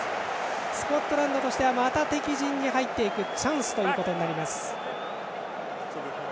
スコットランドとしてはまた敵陣に入っていくチャンスということになります。